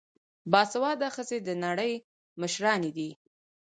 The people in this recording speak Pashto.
باسواده ښځې د نړۍ مشرانې دي.